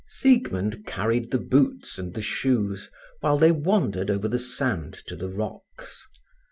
X Siegmund carried the boots and the shoes while they wandered over the sand to the rocks.